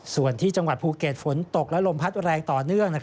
ส่วนที่จังหวัดภูเก็ตฝนตกและลมพัดแรงต่อเนื่อง